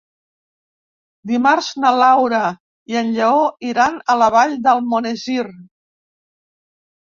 Dimarts na Laura i en Lleó iran a la Vall d'Almonesir.